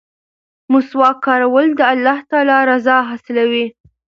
مسواک کارول د الله تعالی رضا حاصلوي.